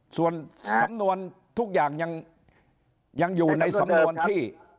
ส่วนสำนวนทุกอย่างยังอยู่ในสำนวนที่